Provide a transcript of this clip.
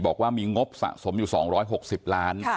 บอกว่ามีงบสะสมอยู่๒๖๐ล้าน